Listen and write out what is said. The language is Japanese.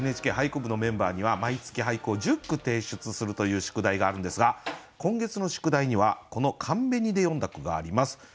「ＮＨＫ俳句部」のメンバーには毎月俳句を１０句提出するという宿題があるんですが今月の宿題にはこの「寒紅」で詠んだ句があります。